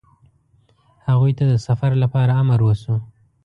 هغوی ته د سفر لپاره امر وشو.